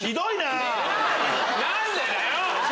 何でだよ